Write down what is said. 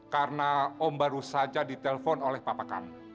karena om baru saja ditelepon oleh papa kamu